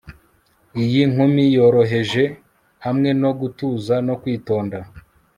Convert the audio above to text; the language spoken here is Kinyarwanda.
iyi nkumi yoroheje, hamwe no gutuza no kwitonda